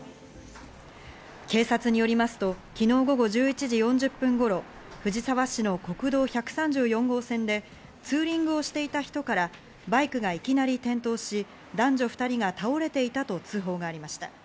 警察によりますと昨日午後１１時４０分頃、藤沢市の国道１３４号線で、ツーリングをしていた人から、バイクがいきなり転倒し、男女２人が倒れていたと通報がありました。